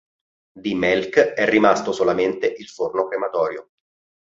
Di Melk è rimasto solamente il forno crematorio.